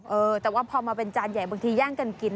เออแต่ว่าพอมาเป็นจานใหญ่บางทีแย่งกันกิน